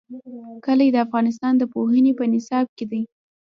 کلي د افغانستان د پوهنې په نصاب کې دي.